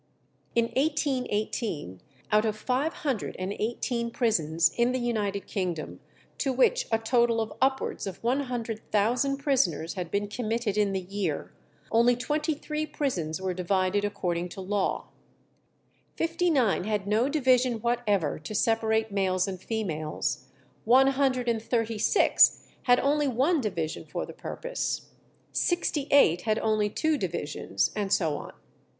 In 1818, out of five hundred and eighteen prisons in the United Kingdom, to which a total of upwards of one hundred thousand prisoners had been committed in the year, only twenty three prisons were divided according to law; fifty nine had no division whatever to separate males and females; one hundred and thirty six had only one division for the purpose; sixty eight had only two divisions, and so on.